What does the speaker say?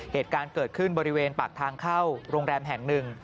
เหตุการณ์เกิดขึ้นบริเวณปากทางเข้าโรงแรมแห่งหนึ่ง